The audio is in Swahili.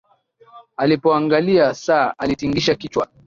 Alipoangalia saa alitingisha kichwa